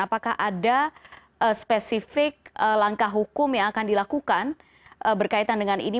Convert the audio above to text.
apakah ada spesifik langkah hukum yang akan dilakukan berkaitan dengan ini